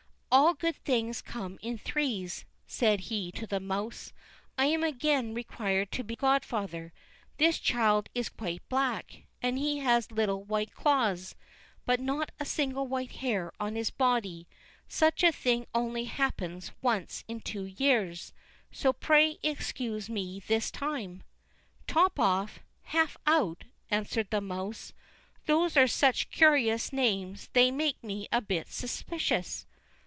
"All good things come in threes," said he to the mouse. "I am again required to be godfather; this child is quite black, and has little white claws, but not a single white hair on his body; such a thing only happens once in two years, so pray excuse me this time." "Top off! Half out!" answered the mouse; "those are such curious names, they make me a bit suspicious."